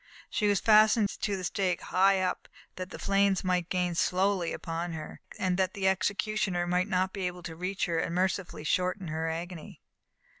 She was fastened to the stake, high up, that the flames might gain slowly upon her, and that the executioner might not be able to reach her and mercifully shorten her agony.